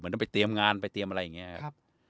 เหมือนจะไปเตรียมงานไปเตรียมอะไรอย่างเงี้ยครับ